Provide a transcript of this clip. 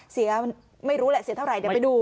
เสียไม่รู้แหละเสียเท่าไหร่เดี๋ยวไปดู